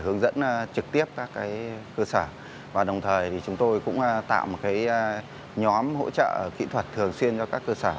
hướng dẫn trực tiếp các cơ sở và đồng thời chúng tôi cũng tạo một nhóm hỗ trợ kỹ thuật thường xuyên cho các cơ sở